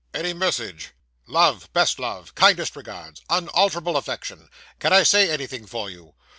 'Any message?' 'Love best love kindest regards unalterable affection. Can I say anything for you?